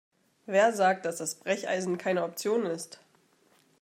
Wer sagt, dass das Brecheisen keine Option ist?